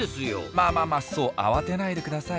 まあまあまあそう慌てないでください。